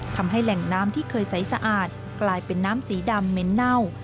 ทำให้แหล่งน้ำที่เคยใสสะอาดกลายเป็นน้ำสีดำเหม็นเน่า